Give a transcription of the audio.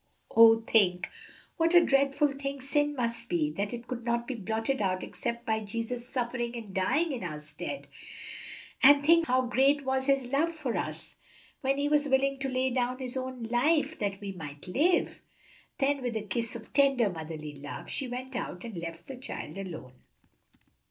"Oh, think what a dreadful thing sin must be that it could not be blotted out except by Jesus suffering and dying in our stead! And think how great was His love for us, when He was willing to lay down His own life that we might live!" Then with a kiss of tender motherly love, she went out and left the child alone.